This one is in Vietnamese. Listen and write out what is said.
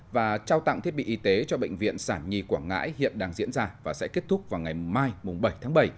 và trao tặng thiết bị y tế cho bệnh viện sản nhi quảng ngãi hiện đang diễn ra và sẽ kết thúc vào ngày mai bảy tháng bảy